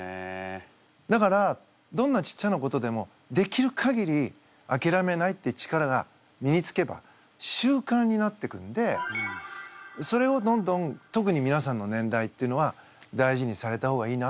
だからどんなちっちゃなことでもできるかぎりあきらめないって力が身につけば習慣になっていくんでそれをどんどん特に皆さんの年代っていうのは大事にされた方がいいなって思います。